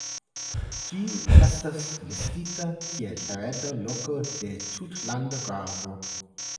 Ĝi estas listita kiel hereda loko de tutlanda gravo.